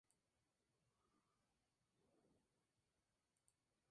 Como consecuencia, la economía púrpura sitúa la cultura como un eje del desarrollo sostenible.